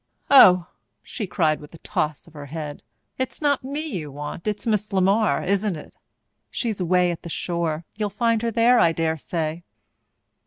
"Oh," she cried with a toss of her head, "it's not me you want it's Miss LeMar, isn't it? She's away at the shore. You'll find her there, I dare say."